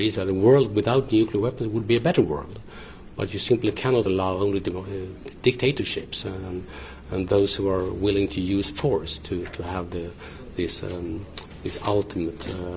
seorang kepala sekolah di nigeria